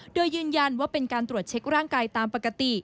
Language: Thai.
โดยยืนยันว่าเป็นการตรวจเช็คร่างกายตามปกติ